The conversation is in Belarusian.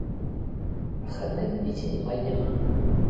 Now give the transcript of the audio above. Прахадных песень амаль няма.